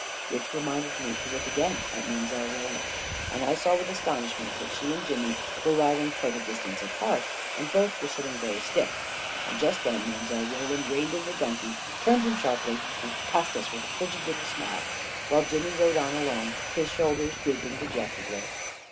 Which reminded me to look again at Mile. Roland; and I saw with astonishment that she and Jimmy were riding quite a distance apart and both were sitting very stiff; and just then Mile. Roland reined in her donkey, turned him sharply, and passed us with a frigid little smile; while Jimmy rode on alone, his shoulders drooping dejectedly.